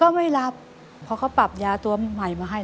อเรนนี่คือเหตุการณ์เริ่มต้นหลอนช่วงแรกแล้วมีอะไรอีก